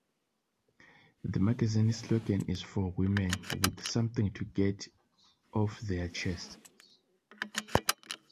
The magazine's slogan is For women with something to get off their chest.